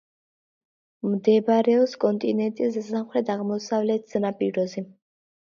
მდებარეობს კონტინენტის სამხრეთ-აღმოსავლეთ სანაპიროზე.